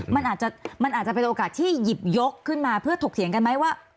มันอาจจะมันอาจจะเป็นโอกาสที่หยิบยกขึ้นมาเพื่อถกเถียงกันไหมว่า